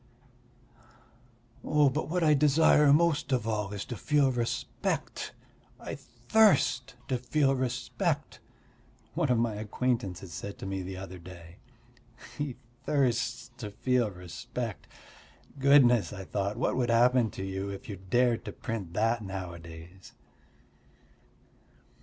"But what I desire most of all is to feel respect. I thirst to feel respect," one of my acquaintances said to me the other day. He thirsts to feel respect! Goodness, I thought, what would happen to you if you dared to print that nowadays?